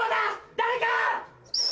誰か！